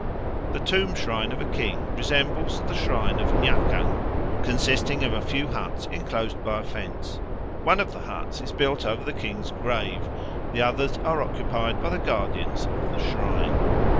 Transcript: The tomb shrine of a king resembles the shrine of Nyakang, consisting of a few huts enclosed by a fence; one of the huts is built over the king's grave, the others are occupied by the guardians of the shrine.